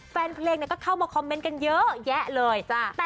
แฟนเพลงก็เข้ามาคอมเมนต์กันเยอะแยะเลย